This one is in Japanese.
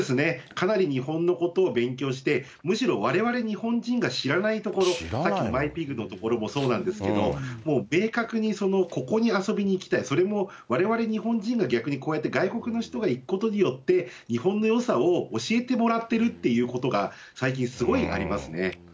かなり日本のことを勉強して、むしろわれわれ日本人が知らない所、さっきのマイピッグの所もそうなんですけど、明確にここに遊びに行きたい、それもわれわれ日本人が、逆にこうやって外国の人が行くことによって、日本のよさを教えてもらってるってことが、最近すごいありますね。